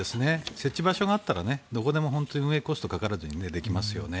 設置場所があったらどこでも運営コストかからずにできますよね。